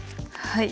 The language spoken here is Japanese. はい。